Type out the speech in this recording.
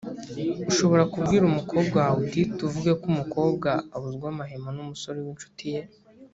ushobora kubwira umukobwa wawe uti tuvuge ko umukobwa abuzwa amahwemo n umusore w incuti ye